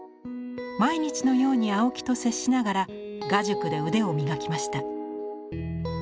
毎日のように青木と接しながら画塾で腕を磨きました。